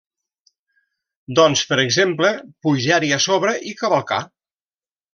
Doncs, per exemple, pujar-hi a sobre i cavalcar!